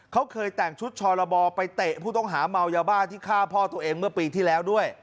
เขาเคยแต่งชุดชรบไปเตะผู้ต้องหาเมายาบ้าที่ฆ่าพ่อตัวเองเมื่อปีที่แล้วด้วย